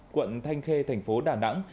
quận thanh khê thành phố đà nẵng